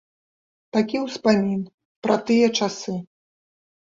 Такі ўспамін пра тыя часы.